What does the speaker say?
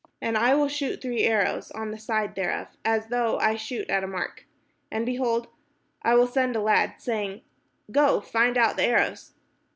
And I will shoot three arrows on the side thereof, as though I shot at a mark. And, behold, I will send a lad, saying. Go, find out the arrows.